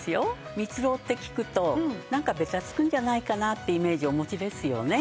ミツロウって聞くとなんかベタつくんじゃないかなってイメージお持ちですよね。